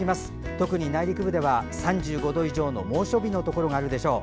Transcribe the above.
特に内陸部では３５度以上の猛暑日のところがあるでしょう。